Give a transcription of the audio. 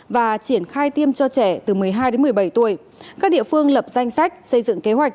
và triển khai tiêm cho trẻ từ một mươi hai đến một mươi bảy tuổi các địa phương lập danh sách xây dựng kế hoạch